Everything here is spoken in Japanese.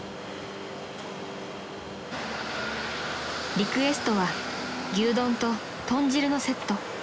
［リクエストは牛丼と豚汁のセット］